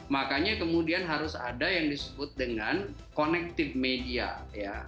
makanya kemudian harus ada yang disebut dengan connective media ya